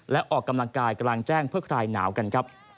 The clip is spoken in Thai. และออกกำลังกายกลางแจ้งเพื่อคลายหนาวกันครับ